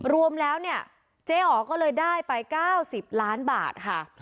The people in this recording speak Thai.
รวมแล้วเนี่ยเจ๊อ๋อก็เลยได้ไป๙๐ล้านบาทค่ะ